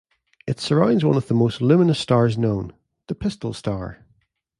It surrounds one of the most luminous stars known, the Pistol Star.